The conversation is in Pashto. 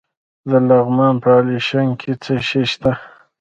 د لغمان په علیشنګ کې څه شی شته؟